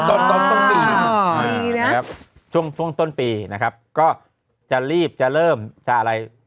ตอนต้นปีนะครับช่วงช่วงต้นปีนะครับก็จะรีบจะเริ่มจะอะไร